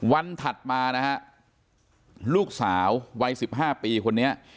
วันถัดมานะฮะลูกสาววัยสิบห้าปีคนนี้